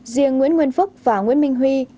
riêng nguyễn nguyên phúc và nguyễn minh huy